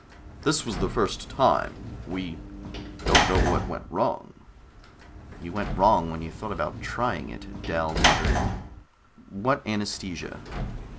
"This was the first time. We don't know where we went wrong." "You went wrong when you thought about trying it," Dal muttered. "What anaesthesia?"